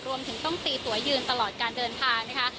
รวมถึงต้องตีตัวยืนตลอดการเดินทางนะคะ